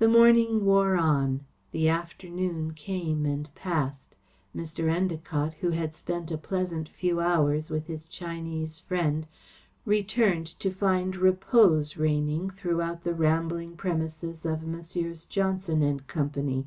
The morning wore on, the afternoon came and passed. Mr. Endacott, who had spent a pleasant few hours with his Chinese friend, returned to find repose reigning throughout the rambling premises of Messrs. Johnson and Company.